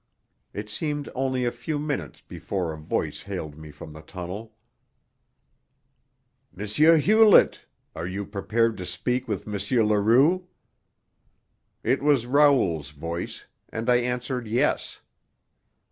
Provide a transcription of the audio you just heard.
It seemed only a few minutes before a voice hailed me from the tunnel. "M. Hewlett! Are you prepared to speak with M. Leroux?" It was Raoul's voice, and I answered yes.